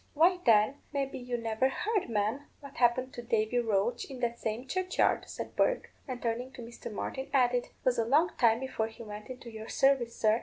"Why, then, maybe you never heard, ma'am, what happened to Davy Roche in that same churchyard," said Bourke; and turning to Mr. Martin, added, "'Twas a long time before he went into your service, sir.